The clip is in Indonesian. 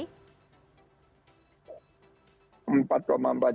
empat empat juta itu raihan dari tiga perusahaan musik